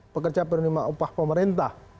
pekerja penerima upah pemerintah